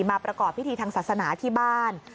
มาประกอบพิธีทางศาสนาที่บ้าน